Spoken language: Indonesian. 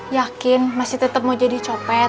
yakin masih tetap mau jadi copet